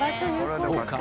そうか。